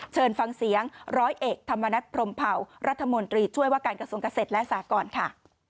เชิญฟังเสียงร้อยเอกธรรมนัฐพรมเผารัฐมนตรีช่วยว่าการกระทรวงเกษตรและสากรค่ะ